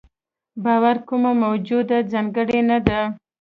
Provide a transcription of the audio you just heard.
باور کومه موجوده ځانګړنه نه ده.